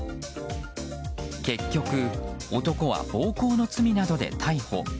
結局、男は暴行の罪などで逮捕。